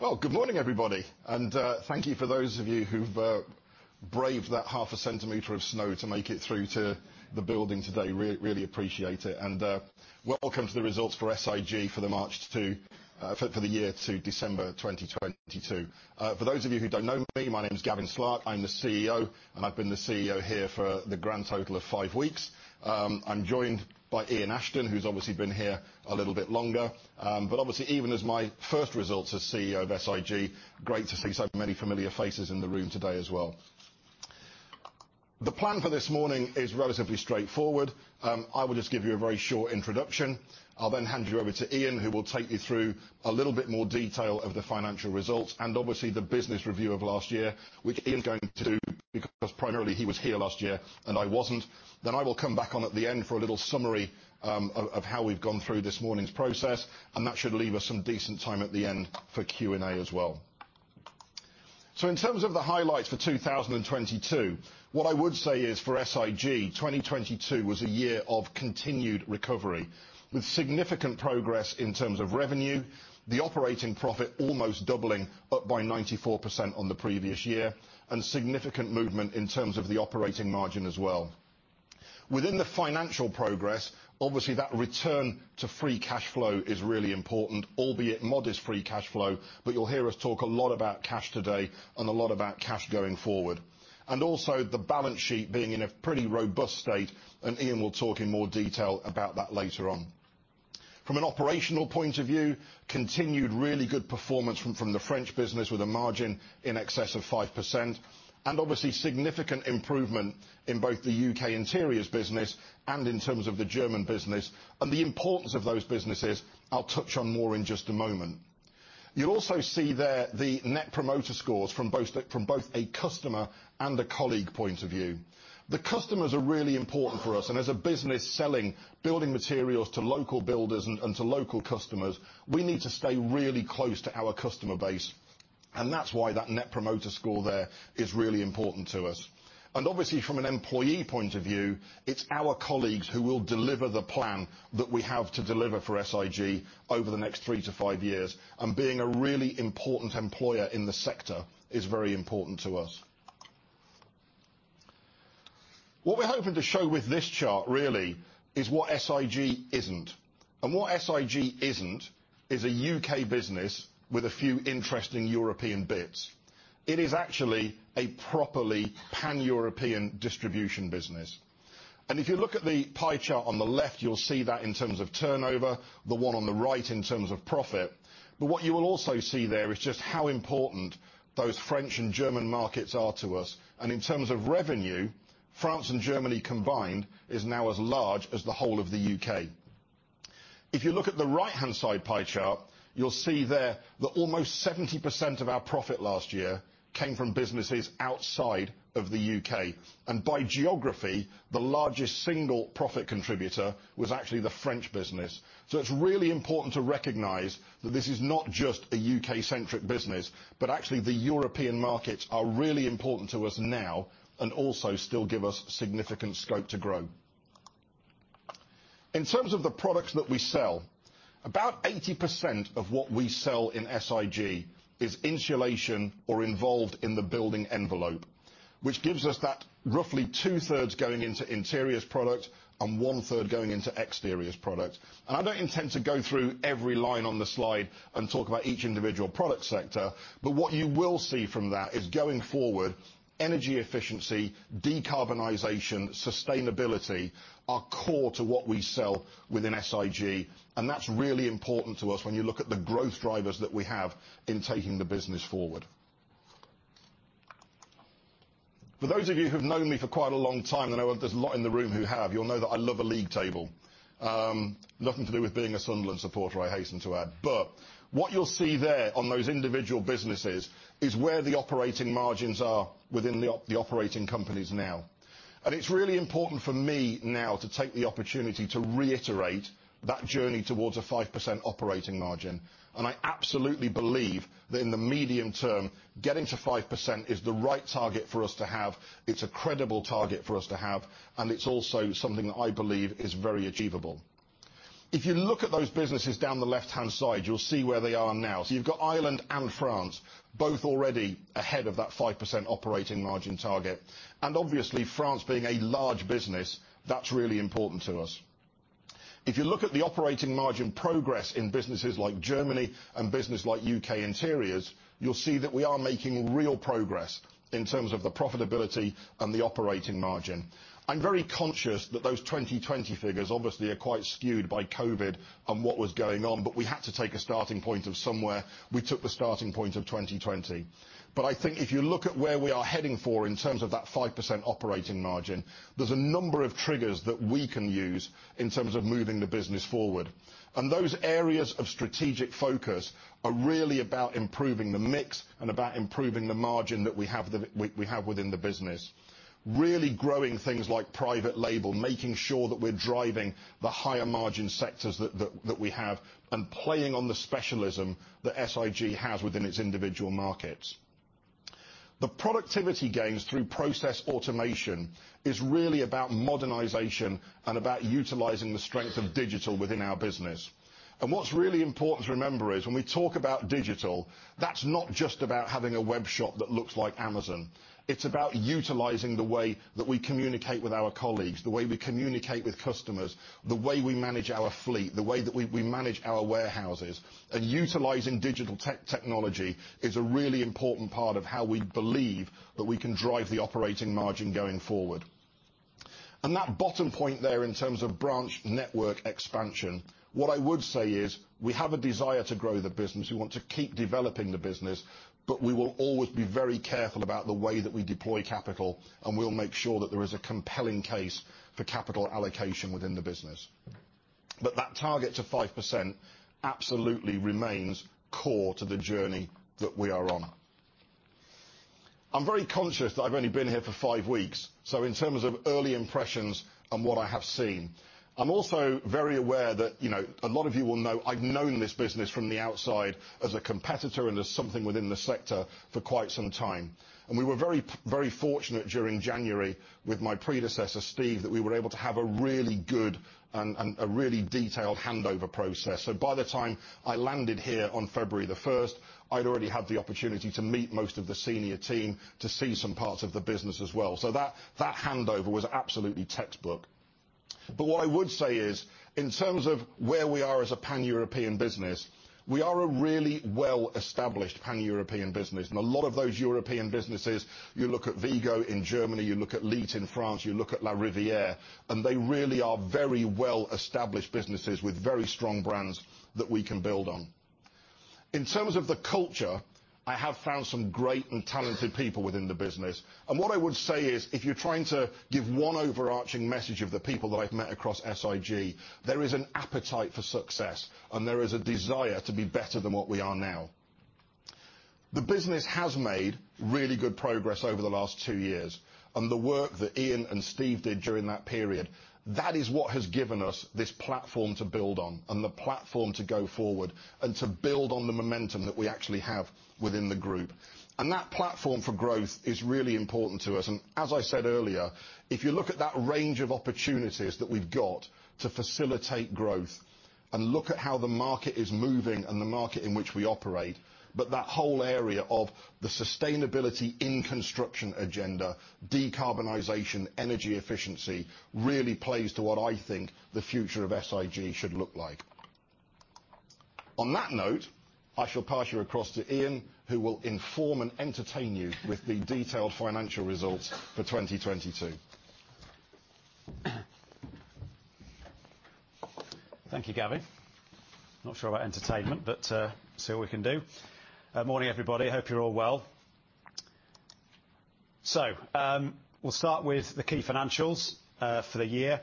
Well, good morning, everybody. Thank you for those of you who've braved that half a centimeter of snow to make it through to the building today. Really appreciate it. Welcome to the results for SIG for the March to for the year to December 2022. For those of you who don't know me, my name's Gavin Slark, I'm the CEO, and I've been the CEO here for the grand total of five weeks. I'm joined by Ian Ashton, who's obviously been here a little bit longer. Obviously, even as my first results as CEO of SIG, great to see so many familiar faces in the room today as well. The plan for this morning is relatively straightforward. I will just give you a very short introduction. I'll then hand you over to Ian, who will take you through a little bit more detail of the financial results, and obviously, the business review of last year, which Ian's going to do because primarily he was here last year, and I wasn't. I will come back on at the end for a little summary, of how we've gone through this morning's process, and that should leave us some decent time at the end for Q&A as well. In terms of the highlights for 2022, what I would say is, for SIG, 2022 was a year of continued recovery, with significant progress in terms of revenue, the operating profit almost doubling, up by 94% on the previous year, and significant movement in terms of the operating margin as well. Within the financial progress, obviously that return to free cash flow is really important, albeit modest free cash flow, but you'll hear us talk a lot about cash today and a lot about cash going forward. Also, the balance sheet being in a pretty robust state, and Ian will talk in more detail about that later on. From an operational point of view, continued really good performance from the French business with a margin in excess of 5%, and obviously, significant improvement in both the U.K. Interiors business and in terms of the German business. The importance of those businesses, I'll touch on more in just a moment. You'll also see there the Net Promoter Scores from both a customer and a colleague point of view. The customers are really important for us. As a business selling building materials to local builders and to local customers, we need to stay really close to our customer base. That's why that Net Promoter Score there is really important to us. Obviously, from an employee point of view, it's our colleagues who will deliver the plan that we have to deliver for SIG over the next three to five years, and being a really important employer in the sector is very important to us. What we're hoping to show with this chart really is what SIG isn't. What SIG isn't is a U.K. business with a few interesting European bits. It is actually a properly Pan-European distribution business. If you look at the pie chart on the left, you'll see that in terms of turnover, the one on the right in terms of profit. What you will also see there is just how important those French and German markets are to us. In terms of revenue, France and Germany combined is now as large as the whole of the U.K., If you look at the right-hand side pie chart, you'll see there that almost 70% of our profit last year came from businesses outside of the U.K., By geography, the largest single profit contributor was actually the French business. It's really important to recognize that this is not just a U.K.-centric business, but actually the European markets are really important to us now and also still give us significant scope to grow. In terms of the products that we sell, about 80% of what we sell in SIG is insulation or involved in the building envelope, which gives us that roughly 2/3 going into Interiors product and 1/3 going into Exteriors product. I don't intend to go through every line on the slide and talk about each individual product sector, but what you will see from that is, going forward, energy efficiency, decarbonization, sustainability are core to what we sell within SIG. That's really important to us when you look at the growth drivers that we have in taking the business forward. For those of you who've known me for quite a long time, and I know there's a lot in the room who have, you'll know that I love a league table. Nothing to do with being a Sunderland supporter, I hasten to add. What you'll see there on those individual businesses is where the operating margins are within the operating companies now. It's really important for me now to take the opportunity to reiterate that journey towards a 5% operating margin. I absolutely believe that in the medium term, getting to 5% is the right target for us to have, it's a credible target for us to have, and it's also something that I believe is very achievable. If you look at those businesses down the left-hand side, you'll see where they are now. You've got Ireland and France, both already ahead of that 5% operating margin target. Obviously, France being a large business, that's really important to us. If you look at the operating margin progress in businesses like Germany and business like U.K. Interiors, you'll see that we are making real progress in terms of the profitability and the operating margin. I'm very conscious that those 2020 figures obviously are quite skewed by COVID and what was going on, we had to take a starting point of somewhere. We took the starting point of 2020. I think if you look at where we are heading for in terms of that 5% operating margin, there's a number of triggers that we can use in terms of moving the business forward. Those areas of strategic focus are really about improving the mix and about improving the margin that we have within the business. Really growing things like private label, making sure that we're driving the higher margin sectors that we have, playing on the specialism that SIG has within its individual markets. The productivity gains through process automation is really about modernization and about utilizing the strength of digital within our business. What's really important to remember is when we talk about digital, that's not just about having a web shop that looks like Amazon. It's about utilizing the way that we communicate with our colleagues, the way we communicate with customers, the way we manage our fleet, the way that we manage our warehouses. Utilizing digital technology is a really important part of how we believe that we can drive the operating margin going forward. That bottom point there in terms of branch network expansion, what I would say is, we have a desire to grow the business, we want to keep developing the business, but we will always be very careful about the way that we deploy capital, and we'll make sure that there is a compelling case for capital allocation within the business. That target to 5% absolutely remains core to the journey that we are on. I'm very conscious that I've only been here for five weeks, so in terms of early impressions on what I have seen. I'm also very aware that, you know, a lot of you will know I've known this business from the outside as a competitor and as something within the sector for quite some time. We were very, very fortunate during January with my predecessor, Steve, that we were able to have a really good and a really detailed handover process. By the time I landed here on February the first, I'd already had the opportunity to meet most of the senior team, to see some parts of the business as well. That handover was absolutely textbook. What I would say is, in terms of where we are as a Pan-European business, we are a really well-established Pan-European business. A lot of those European businesses, you look at Wego in Germany, you look at LITT in France, you look at LARIVIERE, and they really are very well established businesses with very strong brands that we can build on. In terms of the culture, I have found some great and talented people within the business. What I would say is, if you're trying to give one overarching message of the people that I've met across SIG, there is an appetite for success and there is a desire to be better than what we are now. The business has made really good progress over the last two years. The work that Ian and Steve did during that period, that is what has given us this platform to build on, and the platform to go forward and to build on the momentum that we actually have within the group. That platform for growth is really important to us. As I said earlier, if you look at that range of opportunities that we've got to facilitate growth and look at how the market is moving and the market in which we operate, but that whole area of the sustainability in construction agenda, decarbonization, energy efficiency, really plays to what I think the future of SIG should look like. On that note, I shall pass you across to Ian, who will inform and entertain you with the detailed financial results for 2022. Thank you, Gavin. Not sure about entertainment, but see what we can do. Morning, everybody. Hope you're all well. We'll start with the key financials for the year.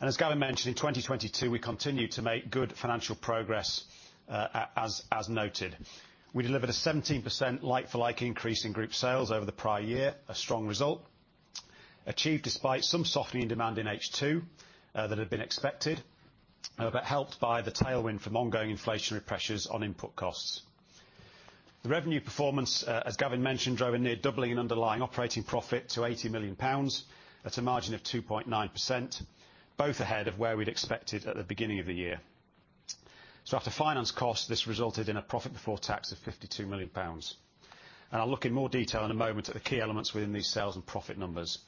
As Gavin mentioned, in 2022, we continued to make good financial progress, as noted. We delivered a 17% like-for-like increase in group sales over the prior year, a strong result, achieved despite some softening demand in H2, that had been expected, but helped by the tailwind from ongoing inflationary pressures on input costs. The revenue performance, as Gavin mentioned, drove a near doubling in underlying operating profit to 80 million pounds at a margin of 2.9%, both ahead of where we'd expected at the beginning of the year. After finance costs, this resulted in a profit before tax of 52 million pounds. I'll look in more detail in a moment at the key elements within these sales and profit numbers.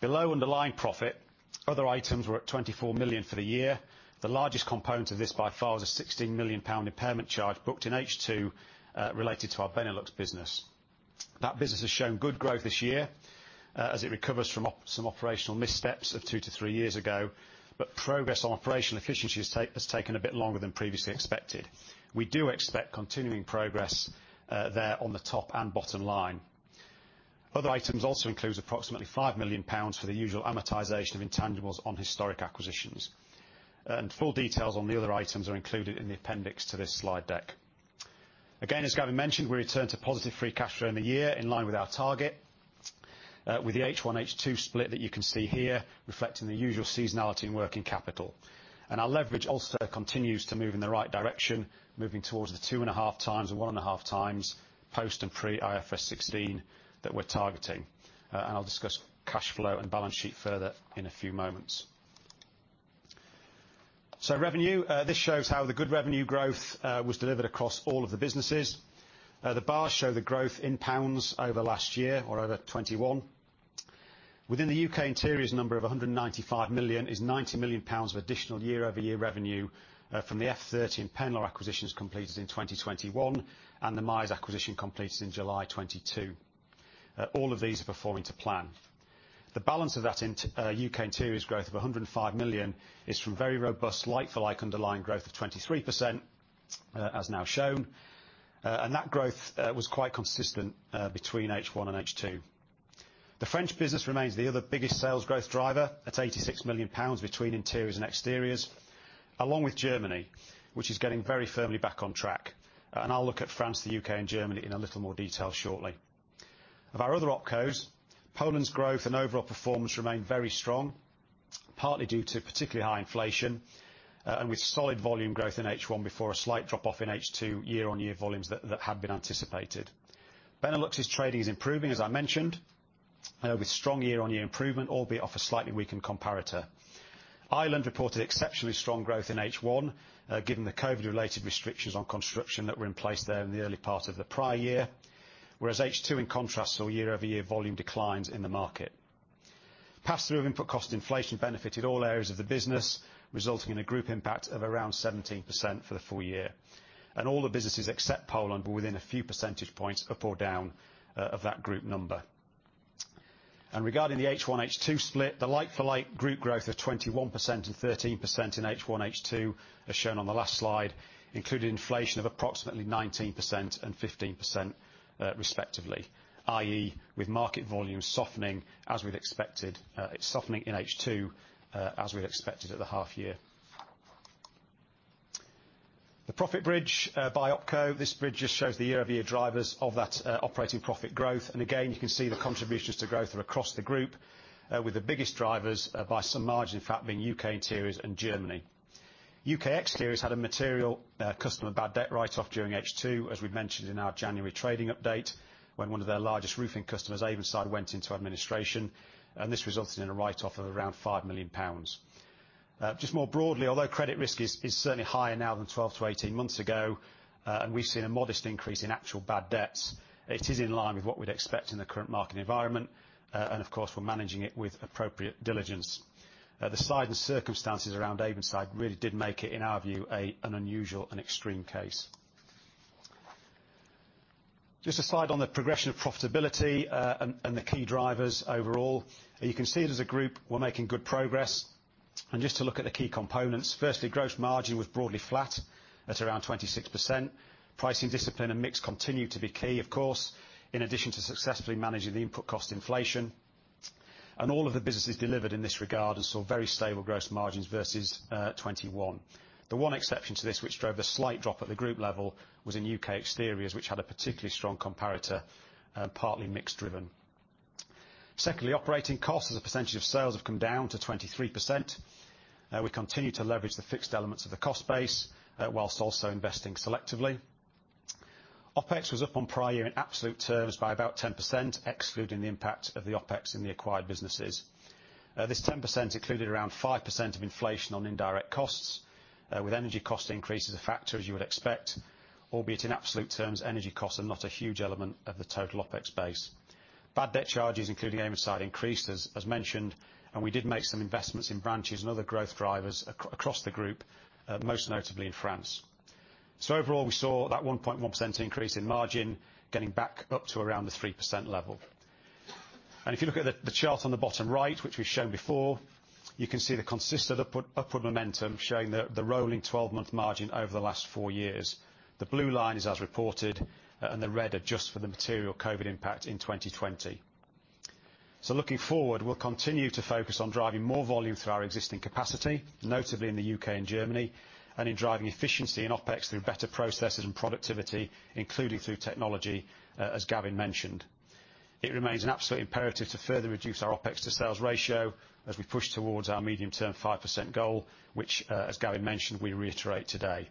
Below underlying profit, other items were at 24 million for the year. The largest component of this by far was a 16 million pound impairment charge booked in H2, related to our Benelux business. That business has shown good growth this year, as it recovers from some operational missteps of two to three years ago, but progress on operational efficiencies has taken a bit longer than previously expected. We do expect continuing progress there on the top and bottom line. Other items also includes approximately 5 million pounds for the usual amortization of intangibles on historic acquisitions. Full details on the other items are included in the appendix to this slide deck. As Gavin mentioned, we return to positive free cash flow in the year in line with our target, with the H1, H2 split that you can see here reflecting the usual seasonality in working capital. Our leverage also continues to move in the right direction, moving towards the 2.5 times and 1.5 times post and pre-IFRS16 that we're targeting. I'll discuss cash flow and balance sheet further in a few moments. Revenue, this shows how the good revenue growth was delivered across all of the businesses. The bars show the growth in GBP over last year or over 2021. Within the U.K. Interiors number of 195 million is 90 million pounds of additional year-over-year revenue from the F30 and Penlaw acquisitions completed in 2021 and the Miers acquisition completed in July 2022. All of these are performing to plan. The balance of that U.K. Interiors growth of 105 million is from very robust like-for-like underlying growth of 23% as now shown. That growth was quite consistent between H1 and H2. The French business remains the other biggest sales growth driver at 86 million pounds between Interiors and Exteriors, along with Germany, which is getting very firmly back on track. I'll look at France, the U.K., and Germany in a little more detail shortly. Of our other opcos, Poland's growth and overall performance remain very strong. Partly due to particularly high inflation, with solid volume growth in H1 before a slight drop-off in H2 year-on-year volumes that had been anticipated. Benelux's trading is improving, as I mentioned, with strong year-on-year improvement, albeit off a slightly weakened comparator. Ireland reported exceptionally strong growth in H1, given the COVID-related restrictions on construction that were in place there in the early part of the prior year, whereas H2, in contrast, saw year-over-year volume declines in the market. Pass-through of input cost inflation benefited all areas of the business, resulting in a group impact of around 17% for the full year, and all the businesses except Poland were within a few percentage points up or down of that group number. Regarding the H1, H2 split, the like-for-like group growth of 21% and 13% in H1, H2, as shown on the last slide, including inflation of approximately 19% and 15%, respectively, i.e., with market volume softening as we'd expected, softening in H2, as we'd expected at the half year. The profit bridge by opco. This bridge just shows the year-over-year drivers of that operating profit growth. Again, you can see the contributions to growth are across the group, with the biggest drivers by some margin, in fact, being U.K. Interiors and Germany. U.K. Exteriors had a material customer bad debt write-off during H2, as we mentioned in our January trading update, when one of their largest roofing customers, Avonside, went into administration, and this resulted in a write-off of around 5 million pounds. Just more broadly, although credit risk is certainly higher now than 12-18 months ago, and we've seen a modest increase in actual bad debts, it is in line with what we'd expect in the current market environment, and of course, we're managing it with appropriate diligence. The size and circumstances around Avonside really did make it, in our view, an unusual and extreme case. Just a slide on the progression of profitability, and the key drivers overall. You can see it as a group, we're making good progress. Just to look at the key components, firstly, gross margin was broadly flat at around 26%. Pricing discipline and mix continued to be key, of course, in addition to successfully managing the input cost inflation. All of the businesses delivered in this regard and saw very stable gross margins versus 2021. The one exception to this, which drove a slight drop at the group level, was in U.K. Exteriors, which had a particularly strong comparator, partly mix driven. Secondly, operating costs as a percentage of sales have come down to 23%. We continue to leverage the fixed elements of the cost base, whilst also investing selectively. OpEx was up on prior year in absolute terms by about 10%, excluding the impact of the OpEx in the acquired businesses. This 10% included around 5% of inflation on indirect costs, with energy cost increase as a factor, as you would expect, albeit in absolute terms, energy costs are not a huge element of the total OpEx base. Bad debt charges, including Avonside, increased as mentioned. We did make some investments in branches and other growth drivers across the group, most notably in France. Overall, we saw that 1.1% increase in margin getting back up to around the 3% level. If you look at the chart on the bottom right, which we've shown before, you can see the consistent upward momentum showing the rolling 12-month margin over the last four years. The blue line is as reported, and the red adjusted for the material COVID impact in 2020. Looking forward, we'll continue to focus on driving more volume through our existing capacity, notably in the U.K. and Germany, and in driving efficiency in OpEx through better processes and productivity, including through technology, as Gavin mentioned. It remains an absolute imperative to further reduce our OpEx to sales ratio as we push towards our medium-term 5% goal, which, as Gavin mentioned, we reiterate today.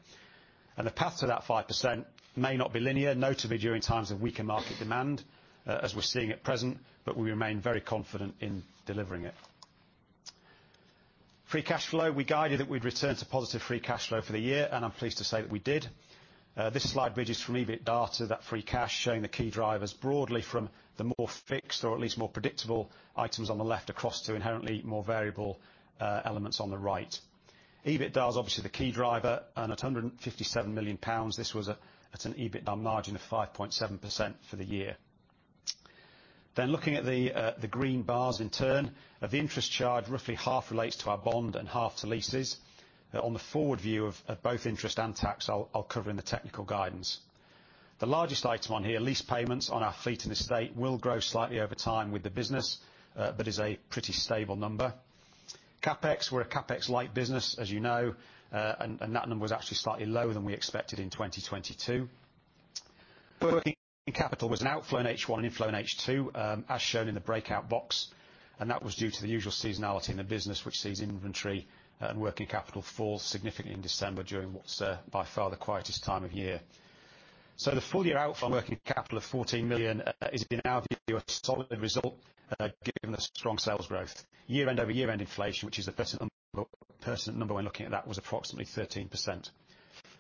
The path to that 5% may not be linear, notably during times of weaker market demand, as we're seeing at present, but we remain very confident in delivering it. Free cash flow. We guided that we'd return to positive free cash flow for the year, I'm pleased to say that we did. This slide bridges from EBITDA to that free cash, showing the key drivers broadly from the more fixed or at least more predictable items on the left across to inherently more variable elements on the right. EBITDA is obviously the key driver, and at GBP 157 million, this was at an EBITDA margin of 5.7% for the year. Looking at the green bars in turn, of the interest charge, roughly half relates to our bond and half to leases. On the forward view of both interest and tax, I'll cover in the technical guidance. The largest item on here, lease payments on our fleet and estate, will grow slightly over time with the business, but is a pretty stable number. CapEx, we're a CapEx-light business, as you know, that number was actually slightly lower than we expected in 2022. Working capital was an outflow in H1 and inflow in H2, as shown in the breakout box. That was due to the usual seasonality in the business, which sees inventory and working capital fall significantly in December during what's by far the quietest time of year. The full-year outflow in working capital of 14 million, is in our view, a solid result, given the strong sales growth. Year-end-over-year-end inflation, which is a better number when looking at that, was approximately 13%. I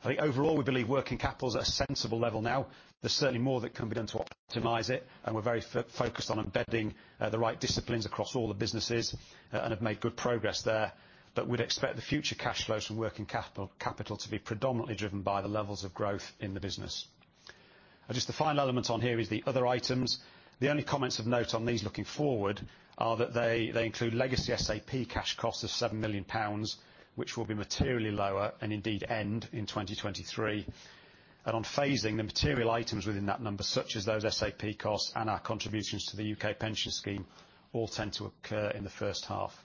think overall, we believe working capital is at a sensible level now. There's certainly more that can be done to optimize it, and we're very focused on embedding the right disciplines across all the businesses, and have made good progress there. We'd expect the future cash flows from working capital to be predominantly driven by the levels of growth in the business. Just the final element on here is the other items. The only comments of note on these looking forward are that they include legacy SAP cash costs of 7 million pounds, which will be materially lower and indeed end in 2023. On phasing, the material items within that number, such as those SAP costs and our contributions to the U.K. pension scheme, all tend to occur in the first half.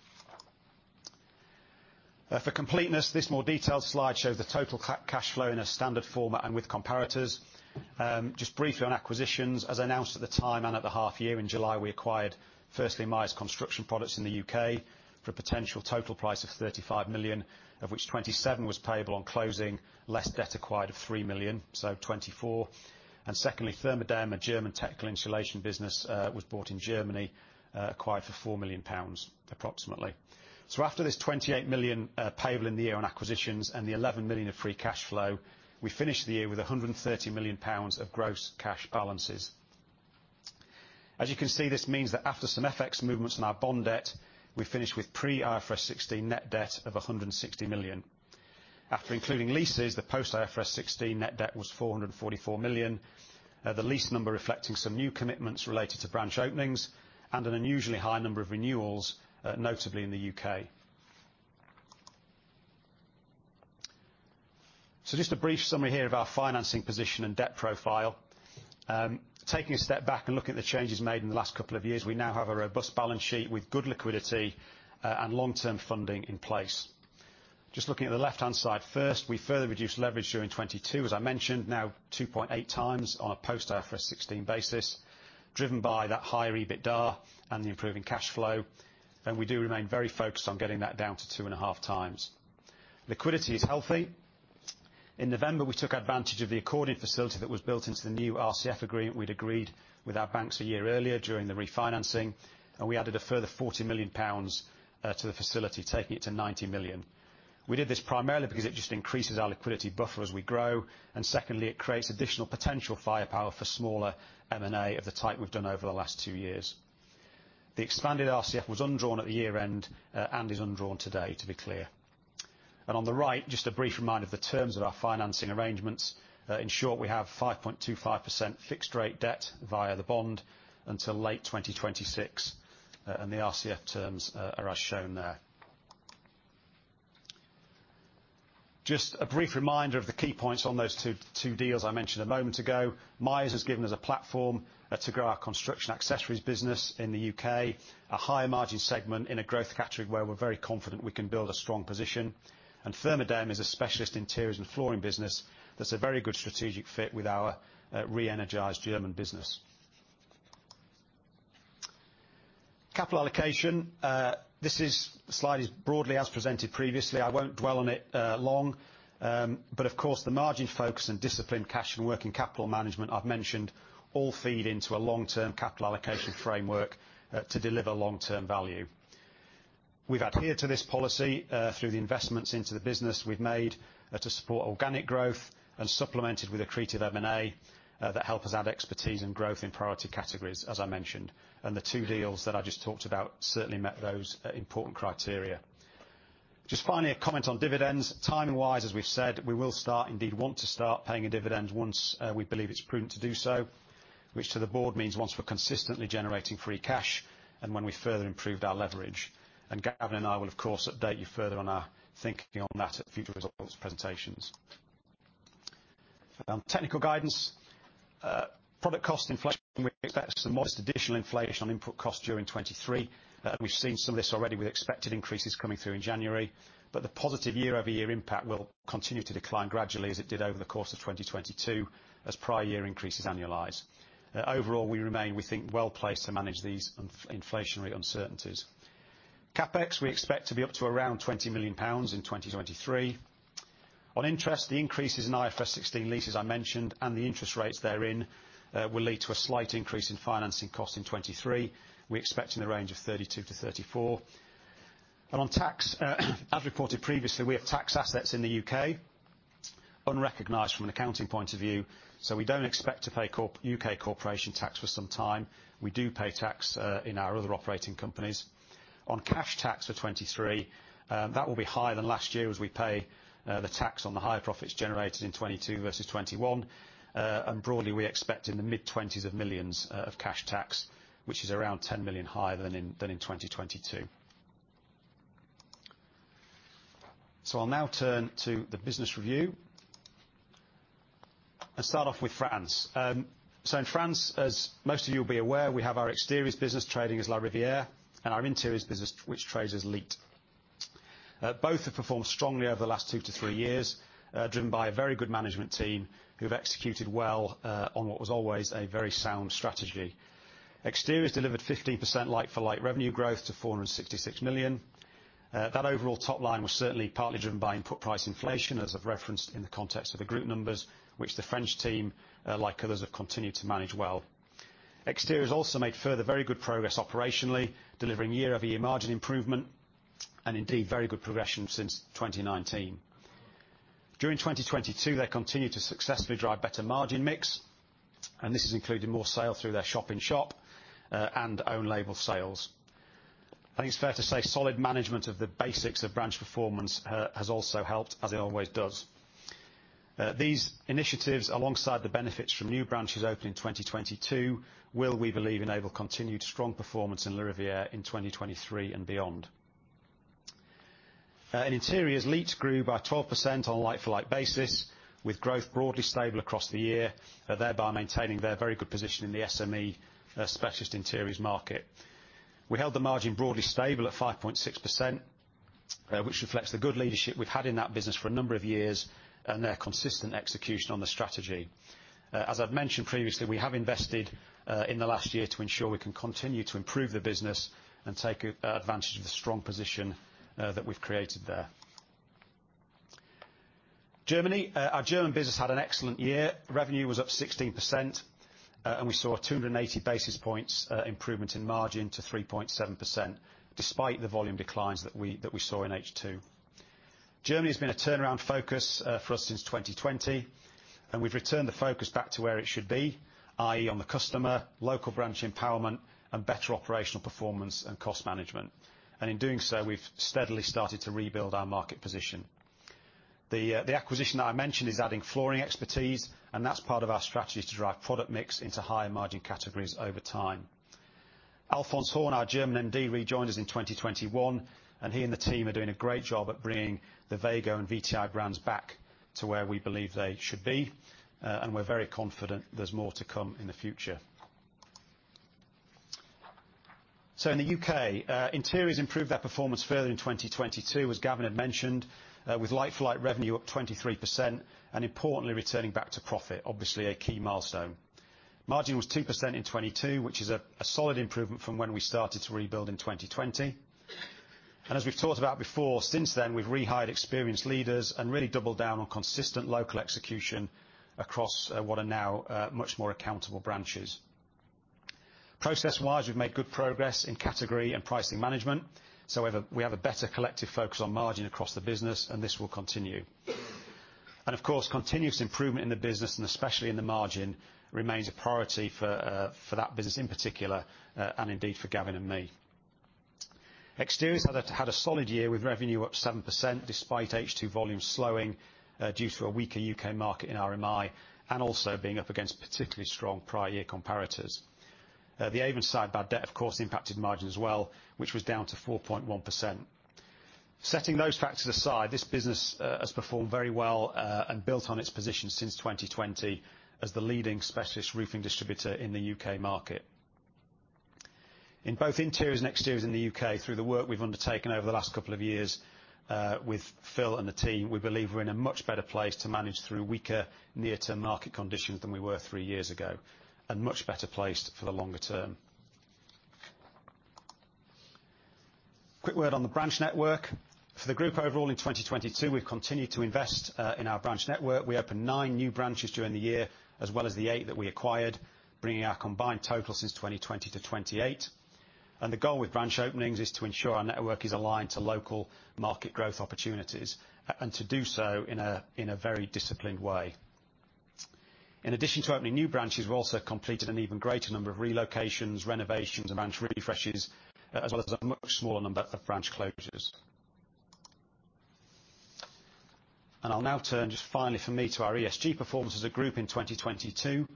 For completeness, this more detailed slide shows the total cash flow in a standard format and with comparators. Just briefly on acquisitions, as announced at the time and at the half year in July, we acquired firstly Miers Construction Products in the U.K. for a potential total price of 35 million, of which 27 million was payable on closing, less debt acquired of 3 million, so 24 million. Secondly, Thermodämm, a German technical insulation business, was bought in Germany, acquired for 4 million pounds approximately. After this 28 million, payable in the year on acquisitions and the 11 million of free cash flow, we finished the year with 130 million pounds of gross cash balances. As you can see, this means that after some FX movements in our bond debt, we finished with pre IFRS 16 net debt of 160 million. After including leases, the post IFRS 16 net debt was 444 million. The lease number reflecting some new commitments related to branch openings and an unusually high number of renewals, notably in the U.K. Just a brief summary here of our financing position and debt profile. Taking a step back and looking at the changes made in the last couple of years, we now have a robust balance sheet with good liquidity and long-term funding in place. Just looking at the left-hand side first, we further reduced leverage during 2022, as I mentioned, now 2.8 times on a post IFRS 16 basis, driven by that higher EBITDA and the improving cash flow. We do remain very focused on getting that down to 2.5 times. Liquidity is healthy. In November, we took advantage of the accordion facility that was built into the new RCF agreement we'd agreed with our banks a year earlier during the refinancing, and we added a further 40 million pounds to the facility, taking it to 90 million. We did this primarily because it just increases our liquidity buffer as we grow, and secondly, it creates additional potential firepower for smaller M&A of the type we've done over the last two years. The expanded RCF was undrawn at the year-end, and is undrawn today, to be clear. On the right, just a brief reminder of the terms of our financing arrangements. In short, we have 5.25% fixed rate debt via the bond until late 2026, and the RCF terms are as shown there. Just a brief reminder of the key points on those two deals I mentioned a moment ago. Miers has given us a platform to grow our construction accessories business in the U.K., a higher margin segment in a growth category where we're very confident we can build a strong position. Thermodämm is a specialist interiors and flooring business that's a very good strategic fit with our re-energized German business. Capital allocation. This slide is broadly as presented previously. I won't dwell on it long. Of course, the margin focus and disciplined cash and working capital management I've mentioned all feed into a long-term capital allocation framework to deliver long-term value. We've adhered to this policy, through the investments into the business we've made, to support organic growth and supplemented with accretive M&A, that help us add expertise and growth in priority categories, as I mentioned. The two deals that I just talked about certainly met those important criteria. Just finally, a comment on dividends. Time-wise, as we've said, we will start, indeed, want to start paying a dividend once we believe it's prudent to do so, which to the board means once we're consistently generating free cash and when we've further improved our leverage. Gavin and I will, of course, update you further on our thinking on that at future results presentations. Technical guidance. Product cost inflation, we expect some modest additional inflation on input costs during 2023. We've seen some of this already with expected increases coming through in January. The positive year-over-year impact will continue to decline gradually as it did over the course of 2022, as prior year increases annualize. Overall, we remain, we think, well-placed to manage these inflationary uncertainties. CapEx, we expect to be up to around 20 million pounds in 2023. On interest, the increases in IFRS 16 leases I mentioned and the interest rates therein, will lead to a slight increase in financing costs in 2023. We expect in the range of 32-34. On tax, as reported previously, we have tax assets in the U.K., unrecognized from an accounting point of view, so we don't expect to pay U.K. corporation tax for some time. We do pay tax in our other operating companies. Cash tax for 2023, that will be higher than last year as we pay the tax on the higher profits generated in 2022 versus 2021. Broadly, we expect in the mid-20s of millions of cash tax, which is around 10 million higher than in 2022. I'll now turn to the business review and start off with France. In France, as most of you will be aware, we have our exteriors business trading as LARIVIERE and our interiors business which trades as LiTT. Both have performed strongly over the last two to three years, driven by a very good management team who have executed well on what was always a very sound strategy. Exteriors delivered 15% like-for-like revenue growth to 466 million. That overall top line was certainly partly driven by input price inflation, as I've referenced in the context of the group numbers, which the French team, like others, have continued to manage well. Exteriors also made further very good progress operationally, delivering year-over-year margin improvement and indeed very good progression since 2019. During 2022, they continued to successfully drive better margin mix, and this has included more sale through their shop-in-shop, and own-label sales. I think it's fair to say solid management of the basics of branch performance, has also helped, as it always does. These initiatives, alongside the benefits from new branches opening in 2022, will, we believe, enable continued strong performance in LARIVIERE in 2023 and beyond. In interiors, LiTT grew by 12% on a like-for-like basis, with growth broadly stable across the year, thereby maintaining their very good position in the SME specialist interiors market. We held the margin broadly stable at 5.6%. Which reflects the good leadership we've had in that business for a number of years, and their consistent execution on the strategy. As I've mentioned previously, we have invested in the last year to ensure we can continue to improve the business and take advantage of the strong position that we've created there. Germany. Our German business had an excellent year. Revenue was up 16%. We saw 280 basis points improvement in margin to 3.7%, despite the volume declines that we saw in H2. Germany has been a turnaround focus for us since 2020, and we've returned the focus back to where it should be, i.e., on the customer, local branch empowerment, and better operational performance and cost management. In doing so, we've steadily started to rebuild our market position. The acquisition that I mentioned is adding flooring expertise, and that's part of our strategy to drive product mix into higher margin categories over time. Alfons Horn, our German MD, rejoined us in 2021, he and the team are doing a great job at bringing the Wego and VTI brands back to where we believe they should be. We're very confident there's more to come in the future. In the U.K., interiors improved their performance further in 2022, as Gavin had mentioned, with like-for-like revenue up 23%, and importantly, returning back to profit. Obviously, a key milestone. Margin was 2% in 22, which is a solid improvement from when we started to rebuild in 2020. As we've talked about before, since then we've rehired experienced leaders and really doubled down on consistent local execution across what are now much more accountable branches. Process-wise, we've made good progress in category and pricing management, we have a better collective focus on margin across the business and this will continue. Of course, continuous improvement in the business, and especially in the margin, remains a priority for that business in particular, and indeed for Gavin and me. Exteriors had a solid year with revenue up 7% despite H2 volumes slowing due to a weaker U.K. market in RMI and also being up against particularly strong prior year comparators. The Avonside bad debt of course impacted margin as well, which was down to 4.1%. Setting those factors aside, this business has performed very well and built on its position since 2020 as the leading specialist roofing distributor in the U.K. market. In both Interiors and Exteriors in the U.K., through the work we've undertaken over the last couple of years with Phil and the team, we believe we're in a much better place to manage through weaker near-term market conditions than we were three years ago, and much better placed for the longer term. Quick word on the branch network. For the group overall in 2022, we've continued to invest in our branch network. We opened nine new branches during the year, as well as the eight that we acquired, bringing our combined total since 2020-2028. The goal with branch openings is to ensure our network is aligned to local market growth opportunities and to do so in a very disciplined way. In addition to opening new branches, we also completed an even greater number of relocations, renovations, and branch refreshes, as well as a much smaller number of branch closures. I'll now turn just finally for me, to our ESG performance as a group in 2022.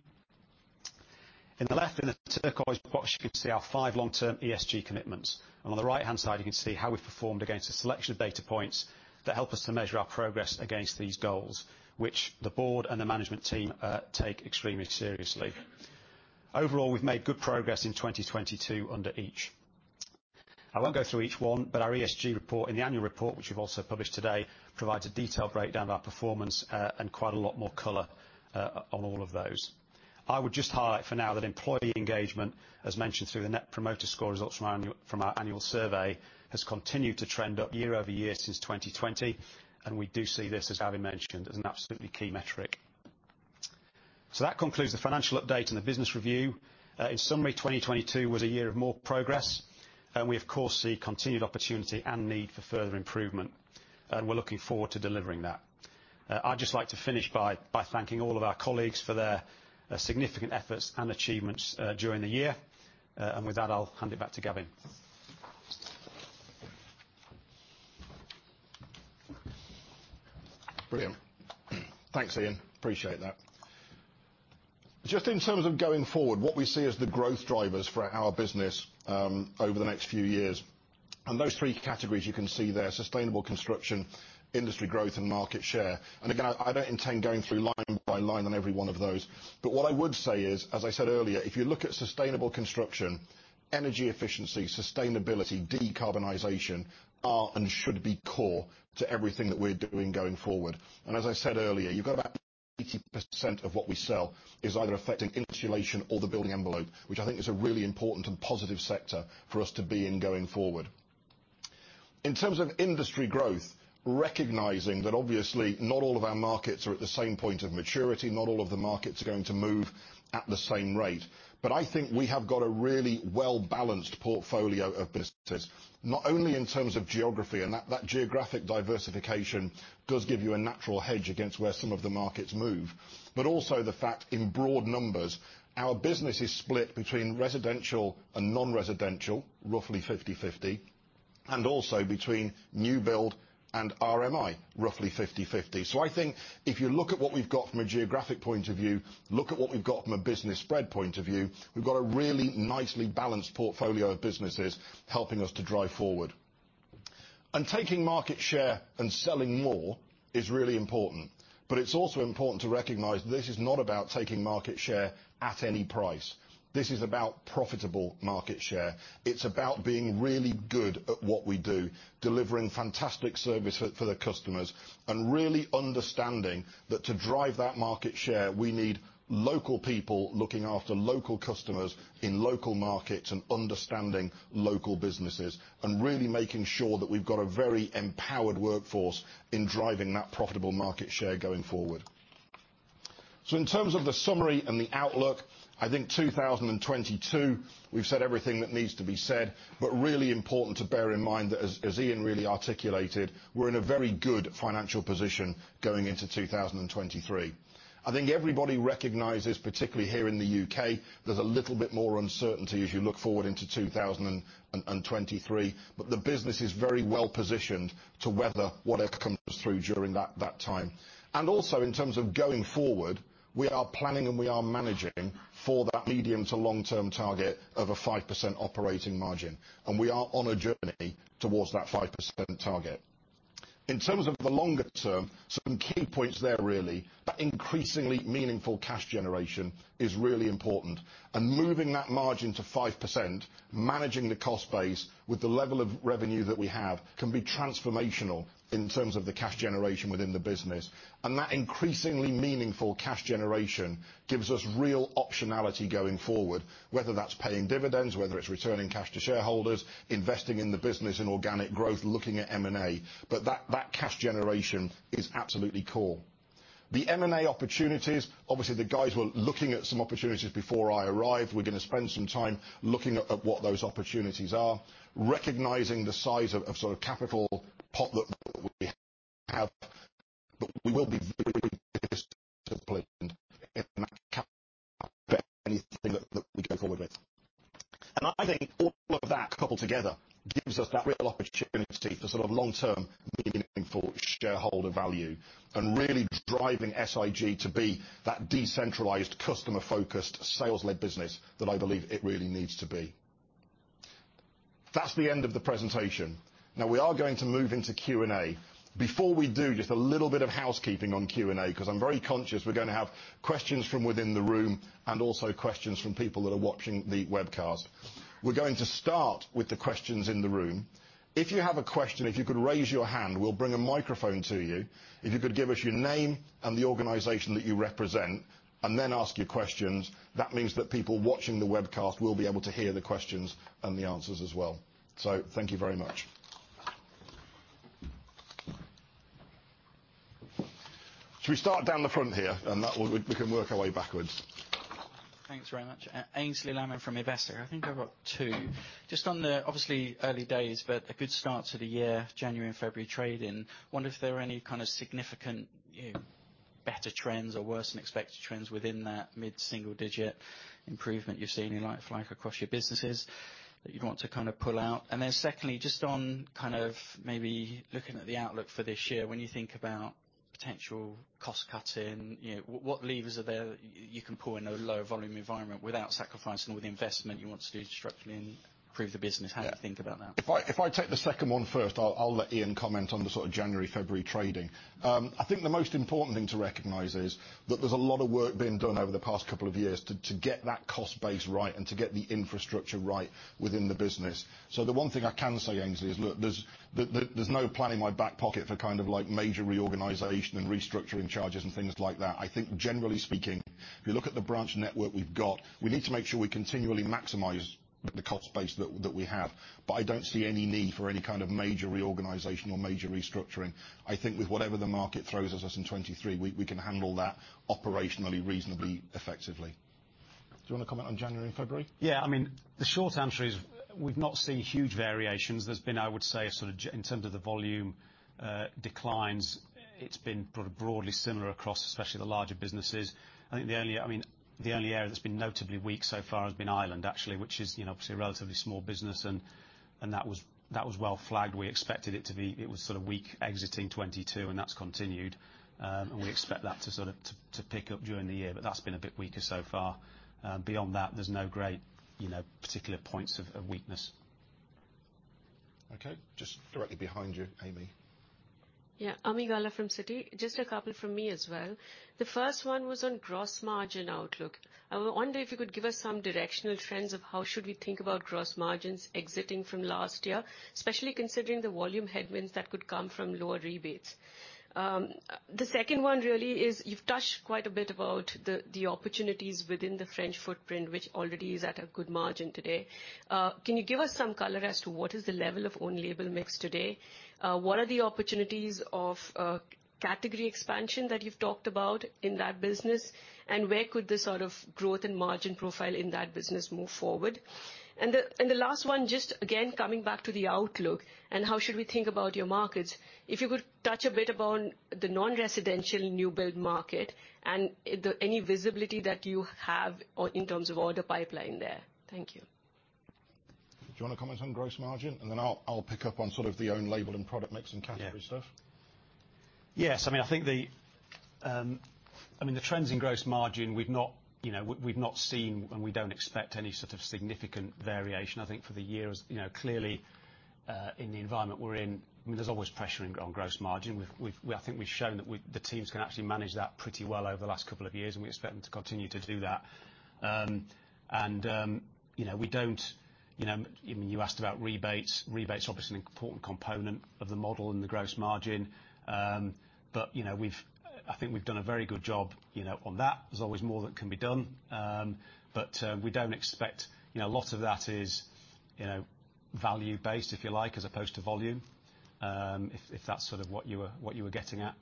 In the left, in the turquoise box, you can see our five long-term ESG commitments. On the right-hand side, you can see how we've performed against a selection of data points that help us to measure our progress against these goals, which the board and the management team take extremely seriously. Overall, we've made good progress in 2022 under each. I won't go through each one, but our ESG report in the annual report, which we've also published today, provides a detailed breakdown of our performance and quite a lot more color on all of those. I would just highlight for now that employee engagement, as mentioned through the Net Promoter Score results from our annual survey, has continued to trend up year-over-year since 2020, and we do see this, as Gavin mentioned, as an absolutely key metric. That concludes the financial update and the business review. In summary, 2022 was a year of more progress, and we of course see continued opportunity and need for further improvement, and we're looking forward to delivering that. I'd just like to finish by thanking all of our colleagues for their significant efforts and achievements during the year. With that, I'll hand it back to Gavin. Brilliant. Thanks, Ian. Appreciate that. Just in terms of going forward, what we see as the growth drivers for our business, over the next three years and those three categories you can see there, sustainable construction, industry growth and market share. I don't intend going through line by line on every one of those, but what I would say is, as I said earlier, if you look at sustainable construction, energy efficiency, sustainability, decarbonization are and should be core to everything that we're doing going forward. You've got about 80% of what we sell is either affecting insulation or the building envelope, which I think is a really important and positive sector for us to be in going forward. In terms of industry growth, recognizing that obviously not all of our markets are at the same point of maturity, not all of the markets are going to move at the same rate. I think we have got a really well-balanced portfolio of businesses, not only in terms of geography and that geographic diversification does give you a natural hedge against where some of the markets move, but also the fact, in broad numbers, our business is split between residential and non-residential, roughly 50/50, and also between new build and RMI, roughly 50/50. I think if you look at what we've got from a geographic point of view, look at what we've got from a business spread point of view, we've got a really nicely balanced portfolio of businesses helping us to drive forward. Taking market share and selling more is really important. But it's also important to recognize this is not about taking market share at any price. This is about profitable market share. It's about being really good at what we do, delivering fantastic service for the customers, and really understanding that to drive that market share, we need local people looking after local customers in local markets and understanding local businesses, and really making sure that we've got a very empowered workforce in driving that profitable market share going forward. In terms of the summary and the outlook, I think 2022, we've said everything that needs to be said, but really important to bear in mind that as Ian really articulated, we're in a very good financial position going into 2023. I think everybody recognizes, particularly here in the U.K., there's a little bit more uncertainty if you look forward into 2023, but the business is very well positioned to weather whatever comes through during that time. Also, in terms of going forward, we are planning and we are managing for that medium to long-term target of a 5% operating margin, and we are on a journey towards that 5% target. In terms of the longer term, some key points there, really, that increasingly meaningful cash generation is really important. Moving that margin to 5%, managing the cost base with the level of revenue that we have, can be transformational in terms of the cash generation within the business. That increasingly meaningful cash generation gives us real optionality going forward, whether that's paying dividends, whether it's returning cash to shareholders, investing in the business in organic growth, looking at M&A, but that cash generation is absolutely core. The M&A opportunities, obviously the guys were looking at some opportunities before I arrived. We're gonna spend some time looking at what those opportunities are. Recognizing the size of sort of capital pot that we have, but we will be very disciplined in that anything that we go forward with. I think all of that coupled together gives us that real opportunity for sort of long-term, meaningful shareholder value and really driving SIG to be that decentralized, customer-focused, sales-led business that I believe it really needs to be. That's the end of the presentation. We are going to move into Q&A. Before we do, just a little bit of housekeeping on Q&A 'cause I'm very conscious we're gonna have questions from within the room and also questions from people that are watching the webcast. We're going to start with the questions in the room. If you have a question, if you could raise your hand, we'll bring a microphone to you. If you could give us your name and the organization that you represent and then ask your questions, that means that people watching the webcast will be able to hear the questions and the answers as well. Thank you very much. Should we start down the front here? That way, we can work our way backwards. Thanks very much. Aynsley Lammin from Investec. I think I've got two. Just on the obviously early days, but a good start to the year, January and February trading. Wonder if there are any kind of significant, you know, better trends or worse than expected trends within that mid-single digit improvement you're seeing in like-for-like across your businesses that you'd want to kind of pull out. Then secondly, just on kind of maybe looking at the outlook for this year. When you think about potential cost cutting, you know, what levers are there that you can pull in a lower volume environment without sacrificing all the investment you want to do to structurally improve the business? Yeah. How do you think about that? If I take the second one first, I'll let Ian comment on the sort of January, February trading. I think the most important thing to recognize is that there's a lot of work been done over the past couple of years to get that cost base right and to get the infrastructure right within the business. The one thing I can say, Aynsley, is, look, there's no plan in my back pocket for kind of like major reorganization and restructuring charges and things like that. I think generally speaking, if you look at the branch network we've got, we need to make sure we continually maximize the cost base that we have. I don't see any need for any kind of major reorganization or major restructuring. I think with whatever the market throws at us in 2023, we can handle that operationally reasonably effectively. Do you wanna comment on January and February? I mean, the short answer is we've not seen huge variations. There's been, I would say, in terms of the volume declines, it's been sort of broadly similar across, especially the larger businesses. I think the only, I mean, the only area that's been notably weak so far has been Ireland, actually, which is, you know, obviously a relatively small business, and that was well flagged. We expected it to be. It was sort of weak exiting 2022, and that's continued. We expect that to sort of to pick up during the year, but that's been a bit weaker so far. Beyond that, there's no great, you know, particular points of weakness. Okay. Just directly behind you, Ami. Ami Galla from Citi. Just a couple from me as well. The first one was on gross margin outlook. I wonder if you could give us some directional trends of how should we think about gross margins exiting from last year, especially considering the volume headwinds that could come from lower rebates. The second one really is you've touched quite a bit about the opportunities within the French footprint, which already is at a good margin today. Can you give us some color as to what is the level of own-label mix today? What are the opportunities of category expansion that you've talked about in that business? Where could this sort of growth and margin profile in that business move forward? The last one, just again coming back to the outlook and how should we think about your markets, if you could touch a bit about the non-residential new build market and the, any visibility that you have in terms of order pipeline there. Thank you. Do you wanna comment on gross margin? Then I'll pick up on sort of the own label and product mix and category stuff. Yeah. Yes. I mean, I think the, I mean, the trends in gross margin, we've not, you know, we've not seen, and we don't expect any sort of significant variation, I think, for the year. You know, clearly, in the environment we're in, I mean, there's always pressure on gross margin. We've I think we've shown that the teams can actually manage that pretty well over the last couple of years, and we expect them to continue to do that. You know, we don't, I mean, you asked about rebates. Rebates are obviously an important component of the model and the gross margin. You know, I think we've done a very good job, you know, on that. There's always more that can be done. We don't expect... You know, a lot of that is, you know, value-based, if you like, as opposed to volume, if that's sort of what you were getting at.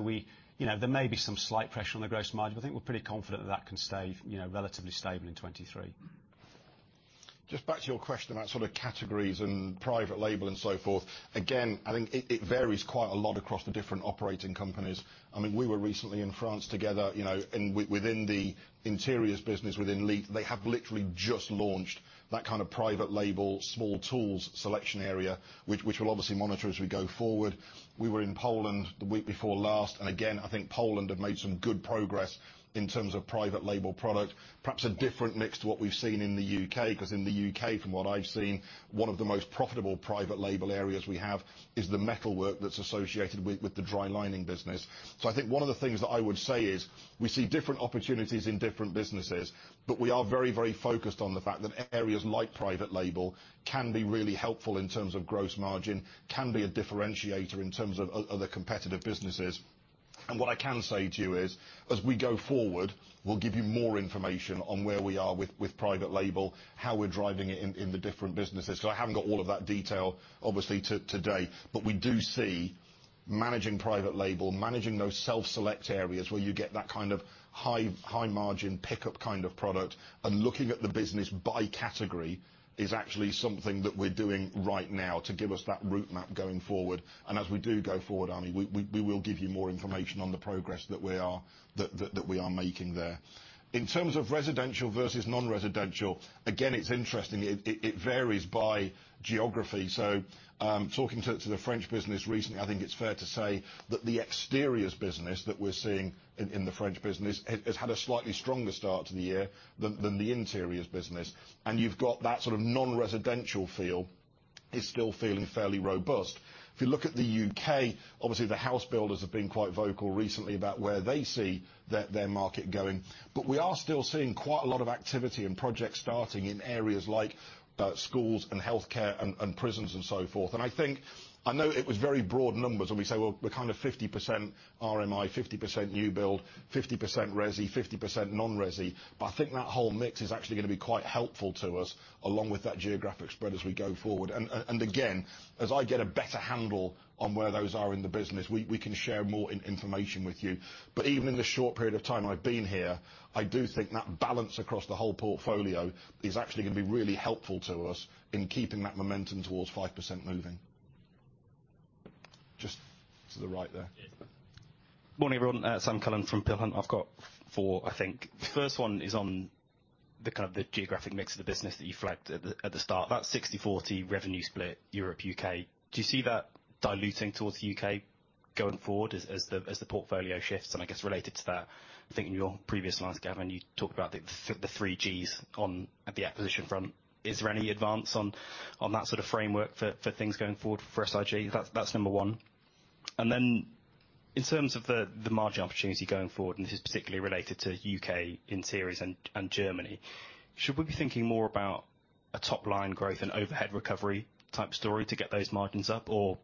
We, you know, there may be some slight pressure on the gross margin, but I think we're pretty confident that that can stay, you know, relatively stable in 2023. Just back to your question about sort of categories and private label and so forth. Again, I think it varies quite a lot across the different operating companies. I mean, we were recently in France together, you know, within the interiors business within LiTT, they have literally just launched that kind of private label, small tools selection area, which we'll obviously monitor as we go forward. Again, I think Poland have made some good progress in terms of private label product. Perhaps a different mix to what we've seen in the U.K., 'cause in the U.K., from what I've seen, one of the most profitable private label areas we have is the metalwork that's associated with the dry lining business. I think one of the things that I would say is, we see different opportunities in different businesses, but we are very focused on the fact that areas like private label can be really helpful in terms of gross margin, can be a differentiator in terms of other competitive businesses. What I can say to you is, as we go forward, we'll give you more information on where we are with private label, how we're driving it in the different businesses. I haven't got all of that detail, obviously, today. We do see managing private label, managing those self-select areas where you get that kind of high margin pickup kind of product, and looking at the business by category is actually something that we're doing right now to give us that route map going forward. As we do go forward, Ami, we will give you more information on the progress that we are making there. In terms of residential versus non-residential, again, it's interesting. It varies by geography. Talking to the French business recently, I think it's fair to say that the exteriors business that we're seeing in the French business has had a slightly stronger start to the year than the interiors business. You've got that sort of non-residential feel is still feeling fairly robust. If you look at the U.K., obviously the house builders have been quite vocal recently about where they see their market going. We are still seeing quite a lot of activity and projects starting in areas like schools and healthcare and prisons and so forth. I think... I know it was very broad numbers when we say, well, we're kind of 50% RMI, 50% new build, 50% resi, 50% non-resi. I think that whole mix is actually gonna be quite helpful to us, along with that geographic spread as we go forward. Again, as I get a better handle on where those are in the business, we can share more information with you. Even in the short period of time I've been here, I do think that balance across the whole portfolio is actually gonna be really helpful to us in keeping that momentum towards 5% moving. Just to the right there. Yes. Morning, everyone. Sam Cullen from Peel Hunt. I've got four, I think. First one is on the kind of the geographic mix of the business that you flagged at the start. About 60/40 revenue split Europe/U.K. Do you see that diluting towards the U.K. going forward as the portfolio shifts? I guess related to that, I think in your previous slides, Gavin, you talked about the three Gs at the acquisition front. Is there any advance on that sort of framework for things going forward for SIG? That's number one. Then in terms of the margin opportunity going forward, and this is particularly related to U.K. Interiors and Germany. Should we be thinking more about a top-line growth and overhead recovery type story to get those margins up or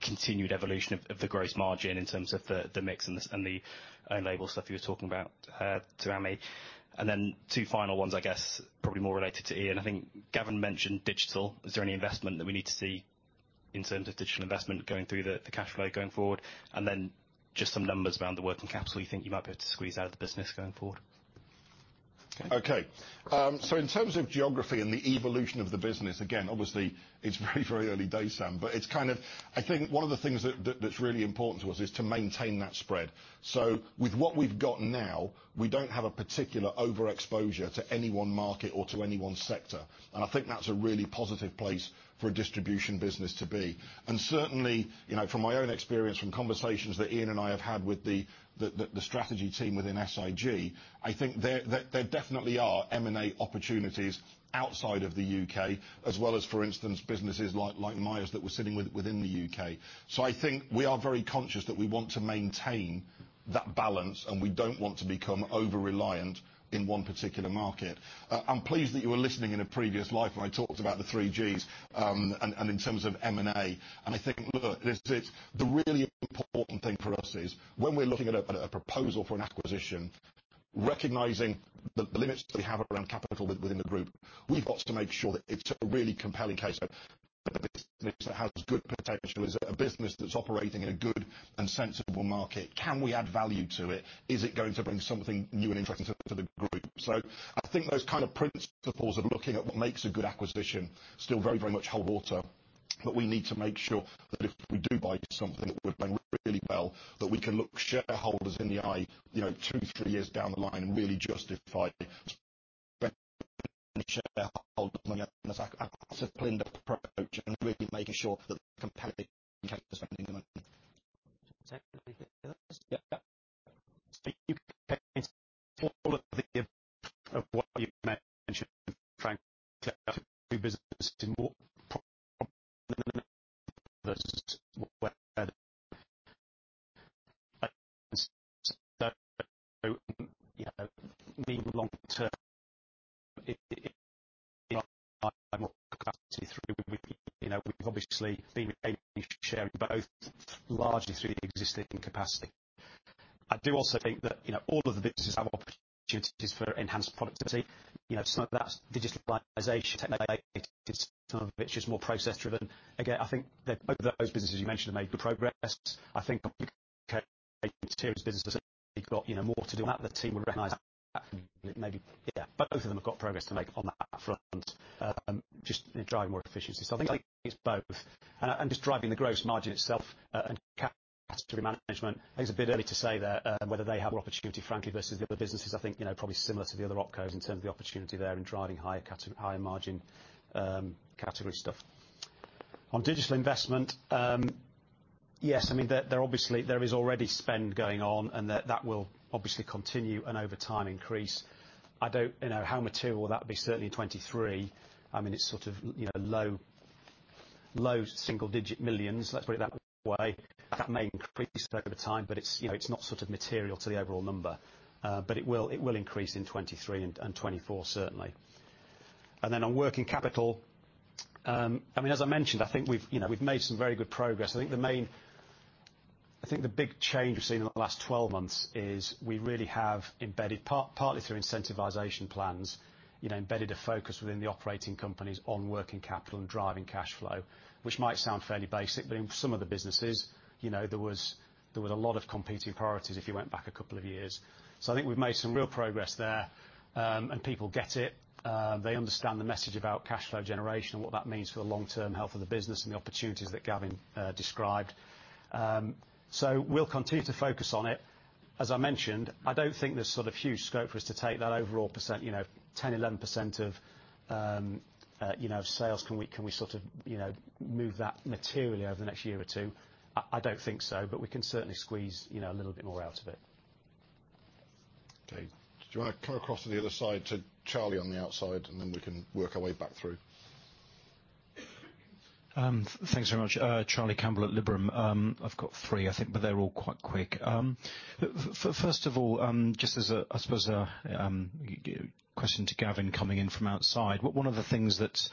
continued evolution of the gross margin in terms of the mix and the own-label stuff you were talking about to Ame? Two final ones, I guess, probably more related to Ian. I think Gavin mentioned digital. Is there any investment that we need to see in terms of digital investment going through the cash flow going forward? Just some numbers around the working capital you think you might be able to squeeze out of the business going forward. Okay. In terms of geography and the evolution of the business, again, obviously it's very, very early days, Sam, but I think one of the things that's really important to us is to maintain that spread. With what we've got now, we don't have a particular overexposure to any one market or to any one sector, and I think that's a really positive place for a distribution business to be. Certainly, you know, from my own experience, from conversations that Ian and I have had with the strategy team within SIG, I think there definitely are M&A opportunities outside of the U.K., as well as, for instance, businesses like Miers that we're sitting with within the U.K. I think we are very conscious that we want to maintain that balance, and we don't want to become over-reliant in one particular market. I'm pleased that you were listening in a previous life when I talked about the three Gs, and in terms of M&A. I think, look, this is. The really important thing for us is when we're looking at a proposal for an acquisition, recognizing the limits that we have around capital within the group, we've got to make sure that it's a really compelling case that Mm-hmm. A business that has good potential, is a business that's operating in a good and sensible market. Can we add value to it? Is it going to bring something new and interesting to the group? I think those kind of principles of looking at what makes a good acquisition still very, very much hold water. We need to make sure that if we do buy something that we're doing really well, that we can look shareholders in the eye, you know, two, three years down the line and really justify disciplined approach and really making sure that the competitive spending the money. Yeah. of what you mentioned, Frank, businesses in more You know, being long term you know, we've obviously been sharing both largely through the existing capacity. I do also think that, you know, all of the businesses have opportunities for enhanced productivity, you know, some of that's digitalization, technolization, some of it's just more process driven. Again, I think that both of those businesses you mentioned have made good progress. I think business has actually got, you know, more to do on that. The team will recognize that maybe. Yeah, both of them have got progress to make on that front, just driving more efficiency. I think it's both, and just driving the gross margin itself and category management, I think it's a bit early to say there, whether they have opportunity, frankly, versus the other businesses. I think, you know, probably similar to the other opcos in terms of the opportunity there in driving higher margin, category stuff. On digital investment, yes, I mean, there obviously there is already spend going on, and that will obviously continue and over time increase. I don't know how material that'll be certainly 2023. I mean, it's sort of, you know, low, low single-digit millions. Let's put it that way. That may increase over time, but it's, you know, it's not sort of material to the overall number. But it will, it will increase in 2023 and 2024 certainly. On working capital, I mean, as I mentioned, I think we've, you know, we've made some very good progress. I think the main... I think the big change we've seen in the last 12-months is we really have embedded, partly through incentivization plans, you know, embedded a focus within the operating companies on working capital and driving cash flow, which might sound fairly basic, but in some of the businesses, you know, there was a lot of competing priorities if you went back a couple of years. I think we've made some real progress there, and people get it. They understand the message about cash flow generation and what that means for the long-term health of the business and the opportunities that Gavin described. We'll continue to focus on it. As I mentioned, I don't think there's sort of huge scope for us to take that overall percent, you know, 10%, 11% of, you know, sales. Can we sort of, you know, move that materially over the next year or two? I don't think so, but we can certainly squeeze, you know, a little bit more out of it. Okay. Do you want to come across to the other side to Charlie on the outside, then we can work our way back through. Thanks very much. Charlie Campbell at Liberum. I've got three, I think, but they're all quite quick. First of all, just as a, I suppose a, question to Gavin coming in from outside, one of the things that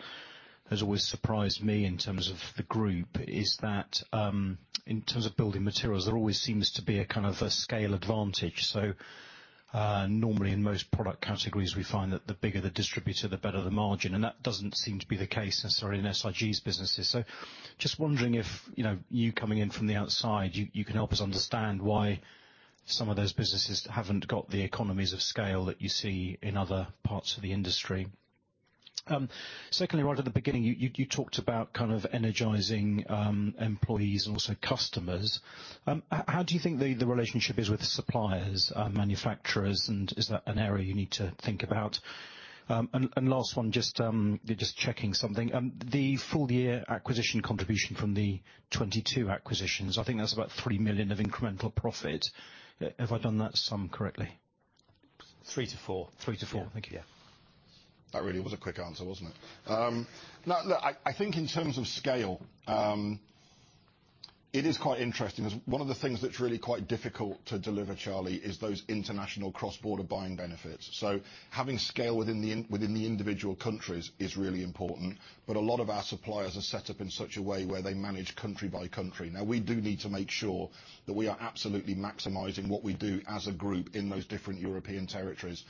has always surprised me in terms of the group is that, in terms of building materials, there always seems to be a kind of a scale advantage. Normally in most product categories, we find that the bigger the distributor, the better the margin, and that doesn't seem to be the case necessarily in SIG's businesses. Just wondering if, you know, you coming in from the outside, you can help us understand why some of those businesses haven't got the economies of scale that you see in other parts of the industry. Secondly, right at the beginning, you talked about kind of energizing employees and also customers. How do you think the relationship is with suppliers, manufacturers, and is that an area you need to think about? Last one, just checking something. The full year acquisition contribution from the 2022 acquisitions, I think that's about 3 million of incremental profit. Have I done that sum correctly? Three to four. Three to four. Thank you. Yeah. That really was a quick answer, wasn't it? No, look, I think in terms of scale, it is quite interesting because one of the things that's really quite difficult to deliver, Charlie, is those international cross-border buying benefits. Having scale within the individual countries is really important. A lot of our suppliers are set up in such a way where they manage country by country. We do need to make sure that we are absolutely maximizing what we do as a group in those different European territories.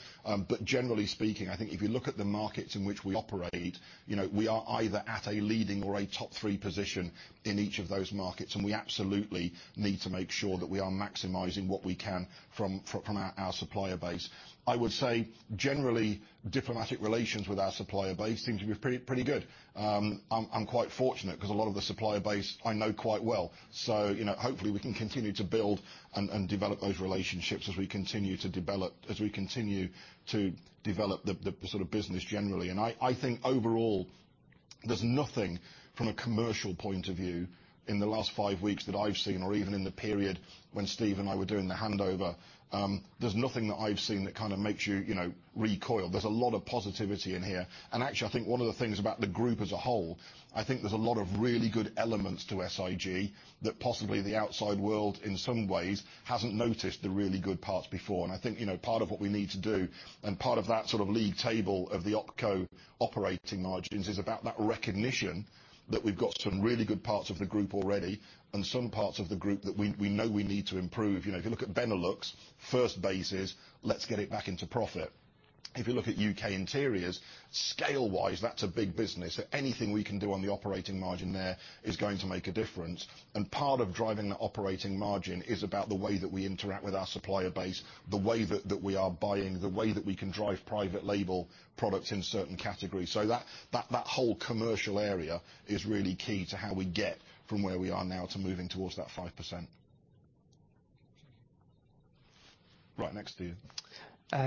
Generally speaking, I think if you look at the markets in which we operate, you know, we are either at a leading or a top 3 position in each of those markets, and we absolutely need to make sure that we are maximizing what we can from our supplier base. I would say generally, diplomatic relations with our supplier base seems to be pretty good. I'm quite fortunate 'cause a lot of the supplier base I know quite well. You know, hopefully, we can continue to build and develop those relationships as we continue to develop the sort of business generally. I think overall, there's nothing from a commercial point of view in the last five weeks that I've seen or even in the period when Steve and I were doing the handover, there's nothing that I've seen that kind of makes you know, recoil. There's a lot of positivity in here. Actually, I think one of the things about the group as a whole, I think there's a lot of really good elements to SIG that possibly the outside world in some ways hasn't noticed the really good parts before. I think, you know, part of what we need to do and part of that sort of league table of the opco operating margins is about that recognition that we've got some really good parts of the group already and some parts of the group that we know we need to improve. You know, if you look at Benelux, first base is let's get it back into profit. If you look at U.K. Interiors, scale-wise, that's a big business, so anything we can do on the operating margin there is going to make a difference. Part of driving that operating margin is about the way that we interact with our supplier base, the way that we are buying, the way that we can drive private label products in certain categories. That whole commercial area is really key to how we get from where we are now to moving towards that 5%. Right next to you.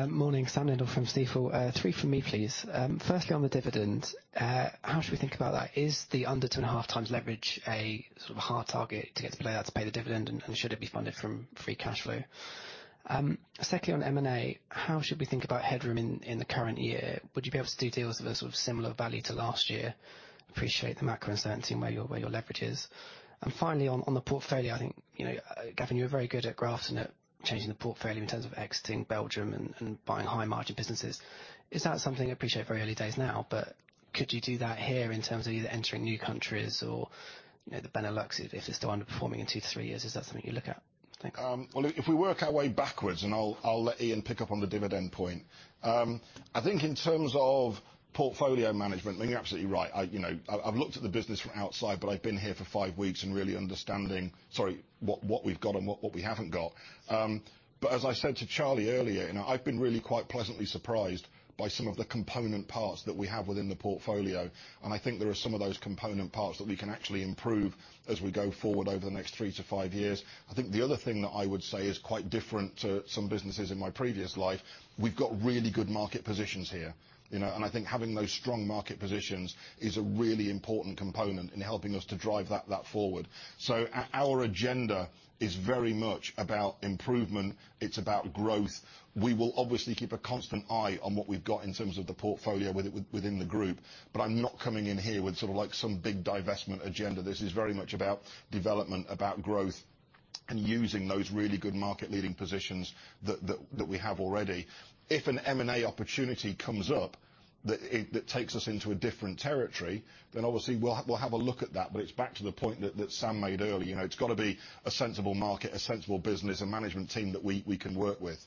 Morning. Sam Linter from Stifel. Three from me please. Firstly on the dividend, how should we think about that? Is the under 2.5 times leverage a sort of hard target to get to be able to pay the dividend? Should it be funded from free cash flow? Secondly on M&A, how should we think about headroom in the current year? Would you be able to do deals of a sort of similar value to last year? Appreciate the macro uncertainty and where your leverage is. Finally on the portfolio, I think, you know, Gavin, you were very good at Grafton at changing the portfolio in terms of exiting Belgium and buying high margin businesses. Is that something, appreciate it very early days now, but could you do that here in terms of either entering new countries or, you know, the Benelux if they're still underperforming in two to three years? Is that something you look at? Thanks. Well, if we work our way backwards, and I'll let Ian pick up on the dividend point. I think in terms of portfolio management, I think you're absolutely right. I, you know, I've looked at the business from outside, but I've been here for five weeks and really understanding... Sorry, what we've got and what we haven't got. As I said to Charlie earlier, you know, I've been really quite pleasantly surprised by some of the component parts that we have within the portfolio, and I think there are some of those component parts that we can actually improve as we go forward over the next three to five years. I think the other thing that I would say is quite different to some businesses in my previous life, we've got really good market positions here, you know? I think having those strong market positions is a really important component in helping us to drive that forward. Our agenda is very much about improvement. It's about growth. We will obviously keep a constant eye on what we've got in terms of the portfolio within the group, but I'm not coming in here with sort of like some big divestment agenda. This is very much about development, about growth, and using those really good market-leading positions that we have already. If an M&A opportunity comes up that takes us into a different territory, then obviously we'll have a look at that. It's back to the point that Sam made earlier, you know. It's gotta be a sensible market, a sensible business, a management team that we can work with.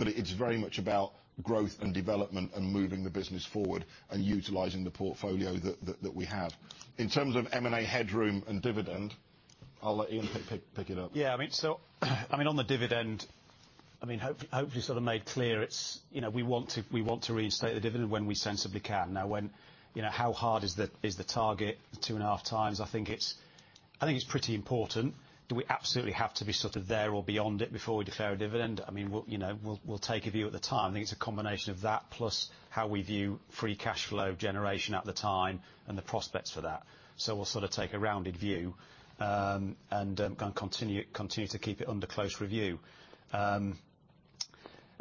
It's very much about growth and development and moving the business forward and utilizing the portfolio that we have. In terms of M&A headroom and dividend, I'll let Ian pick it up. Yeah, I mean, so, I mean, on the dividend, I mean, hopefully sort of made clear it's, you know, we want to, we want to reinstate the dividend when we sensibly can. You know, how hard is the, is the target? 2.5 times, I think it's pretty important. Do we absolutely have to be sort of there or beyond it before we declare a dividend? I mean, we'll, you know, we'll take a view at the time. I think it's a combination of that plus how we view free cash flow generation at the time and the prospects for that. We'll sort of take a rounded view. Continue to keep it under close review.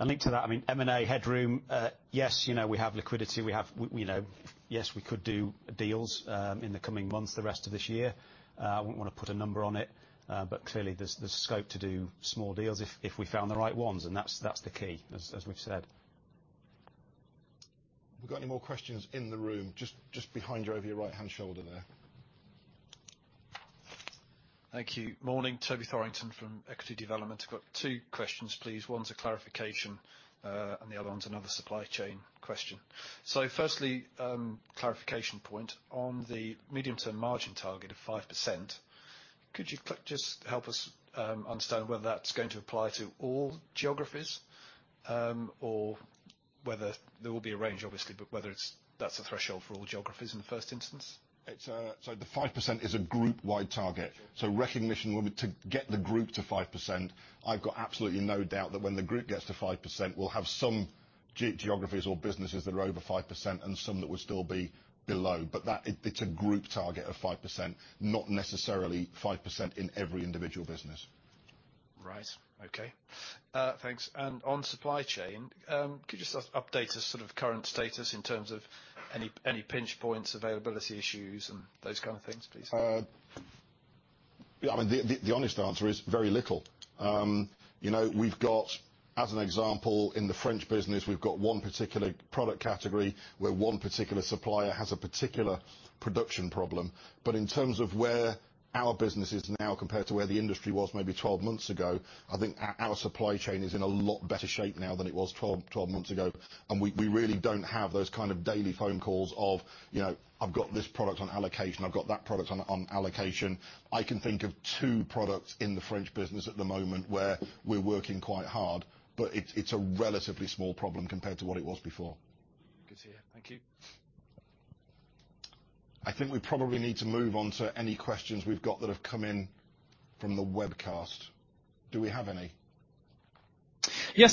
Linked to that, I mean, M&A headroom, yes, you know, we have liquidity, we have, we, you know... Yes, we could do deals, in the coming months, the rest of this year. I wouldn't wanna put a number on it, but clearly there's scope to do small deals if we found the right ones, and that's the key as we've said. Have we got any more questions in the room? Just behind you, over your right hand shoulder there. Thank you. Morning. Toby Thorrington from Equity Development. I've got two questions please. One's a clarification, and the other one's another supply chain question. Firstly, clarification point. On the medium to margin target of 5%, could you just help us understand whether that's going to apply to all geographies, or whether... There will be a range obviously, but whether it's, that's the threshold for all geographies in the first instance? It's. The 5% is a group-wide target, so recognition in order to get the group to 5%. I've got absolutely no doubt that when the group gets to 5%, we'll have some geographies or businesses that are over 5% and some that will still be below. That, it's a group target of 5%, not necessarily 5% in every individual business. Right. Okay. thanks. On supply chain, could you just update us sort of current status in terms of any pinch points, availability issues and those kind of things, please? Yeah, I mean, the honest answer is very little. You know, we've got, as an example in the French business, we've got one particular product category where one particular supplier has a particular production problem. In terms of where our business is now compared to where the industry was maybe 12-onths ago, I think our supply chain is in a lot better shape now than it was 12-months ago. We really don't have those kind of daily phone calls of, you know, "I've got this product on allocation. I've got that product on allocation." I can think of two products in the French business at the moment where we're working quite hard, but it's a relatively small problem compared to what it was before. Good to hear. Thank you. I think we probably need to move on to any questions we've got that have come in from the webcast. Do we have any?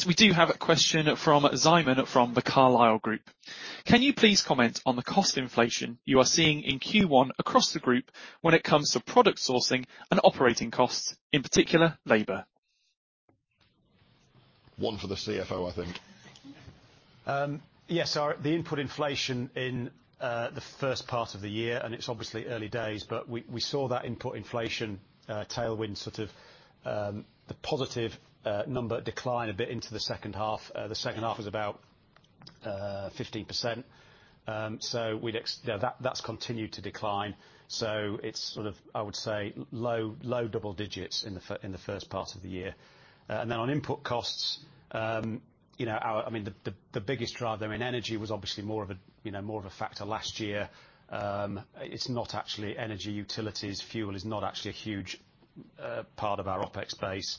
We do have a question from Simon from The Carlyle Group. Can you please comment on the cost inflation you are seeing in Q1 across the group when it comes to product sourcing and operating costs, in particular labor? One for the CFO I think. Yes, our, the input inflation in the first part of the year, it's obviously early days, but we saw that input inflation tailwind sort of, the positive number decline a bit into the second half. The second half was about 15%. You know, that's continued to decline. So it's sort of, I would say, low double digits in the first part of the year. Then on input costs, you know, our, I mean, the biggest driver, I mean, energy was obviously more of a factor last year. It's not actually energy, utilities. Fuel is not actually a huge part of our OpEx base.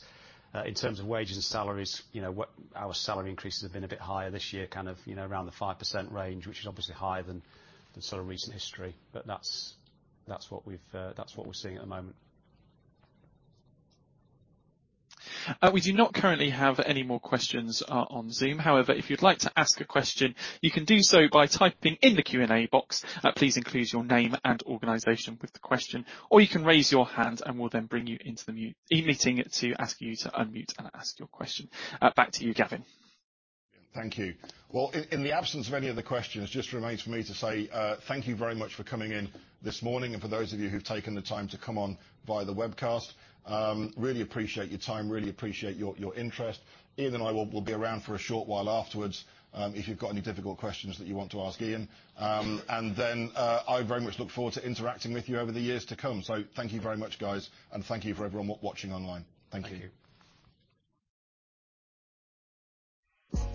In terms of wages and salaries, you know, our salary increases have been a bit higher this year, kind of, you know, around the 5% range, which is obviously higher than sort of recent history. That's, that's what we've, that's what we're seeing at the moment. We do not currently have any more questions on Zoom. However, if you'd like to ask a question, you can do so by typing in the Q&A box. Please include your name and organization with the question, or you can raise your hand and we'll then bring you into the mute meeting to ask you to unmute and ask your question. Back to you, Gavin. Thank you. Well, in the absence of any other questions, just remains for me to say, thank you very much for coming in this morning, and for those of you who've taken the time to come on via the webcast, really appreciate your time, really appreciate your interest. Ian and I will be around for a short while afterwards, if you've got any difficult questions that you want to ask Ian. I very much look forward to interacting with you over the years to come. Thank you very much, guys, and thank you for everyone watching online. Thank you. Thank you.